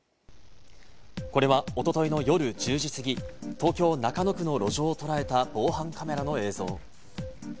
これはおとといの夜１０時過ぎ、東京・中野区の路上をとらえた防犯カメラの映像。